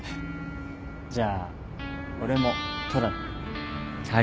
じゃあ俺も虎で。